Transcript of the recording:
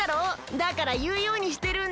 だからいうようにしてるんだ。